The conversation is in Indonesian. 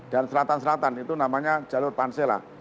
dan selatan selatan itu namanya jalur panse lah